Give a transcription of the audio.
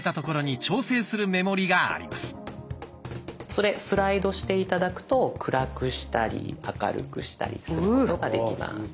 それスライドして頂くと暗くしたり明るくしたりすることができます。